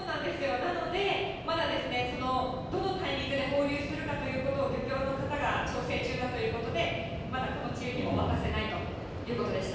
なので、まだどのタイミングで放流するかということを漁協の方が調整中だということで、まだこの稚ウニも渡せないということでした。